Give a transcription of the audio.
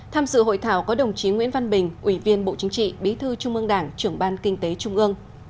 tham dự hội thảo có đồng chí nguyễn văn bình ủy viên bộ chính trị bí thư trung ương đảng trưởng ban kinh tế trung ương